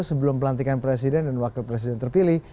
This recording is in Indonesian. sebelum pelantikan presiden dan wakil presiden terpilih